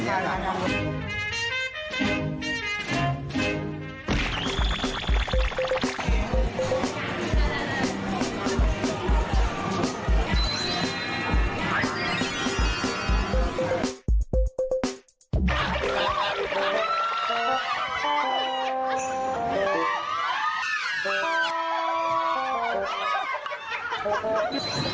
เพราะว่ามีใครตีแล้วนะรุ่นใหม่แม่ก็เลยตีแทน